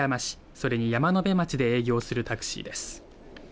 それに山辺町で営業するタクシーです。